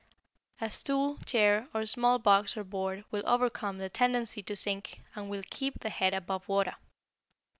A stool, chair, or small box or board will overcome the tendency to sink and will keep the head above water.